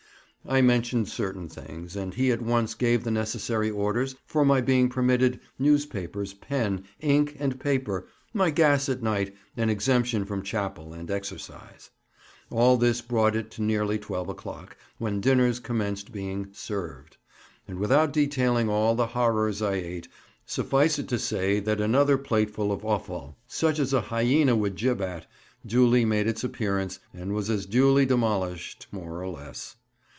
I mentioned certain things, and he at once gave the necessary orders for my being permitted newspapers, pen, ink, and paper, my gas at night, and exemption from chapel and exercise. All this brought it to near twelve o'clock, when dinners commenced being "served;" and without detailing all the horrors I ate, suffice it to say that another plateful of offal, such as a hyæna would jib at, duly made its appearance, and was as duly demolished, more or less.